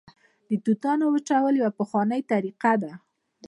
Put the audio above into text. د توتانو وچول یوه پخوانۍ طریقه ده